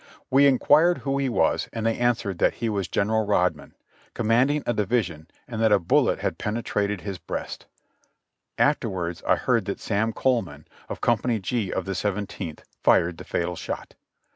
We inquired who he was and they answered that he was General Rodman, commanding a division, and that a bullet had penetrated his breast ; afterwards I heard that Sam Coleman, of Co. G of the Seventeenth, fired the fatal shot.